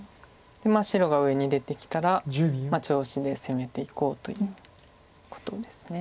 白が上に出てきたら調子で攻めていこうということです。